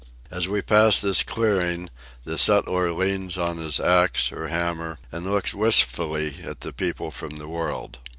As we pass this clearing, the settler leans upon his axe or hammer, and looks wistfully at the people from the world.